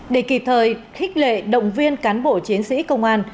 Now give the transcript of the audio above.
để kịp thời khích lệ động viên cán bộ chiến sĩ công an